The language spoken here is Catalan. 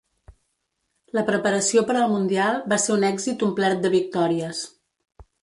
La preparació per al Mundial va ser un èxit omplert de victòries.